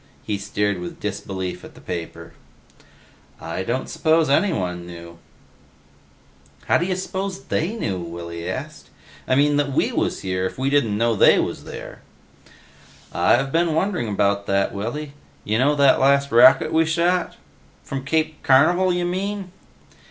He stared with disbelief at the paper. "I don't suppose anyone knew." "How d'ya suppose they knew?" Willy asked. "I mean, that we was here, if we didn't know they was there?" "I've been wondering about that, Willy. You know that last rocket we shot?" "From Cape Carnival you mean?"